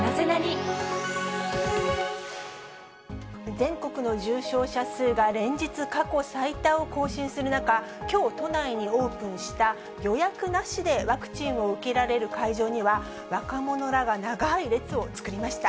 全国の重症者数が、連日過去最多を更新する中、きょう都内にオープンした予約なしでワクチンを受けられる会場には、若者らが長い列を作りました。